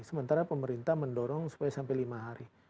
sementara pemerintah mendorong supaya sampai lima hari